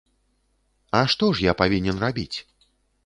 А што ж я павінен рабіць?